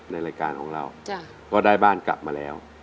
ในรายการของเราก็ได้บ้านกลับมาแล้ว